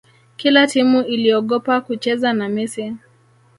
kila timu iliogopa kucheza na messi